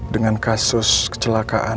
dengan kasus kecelakaan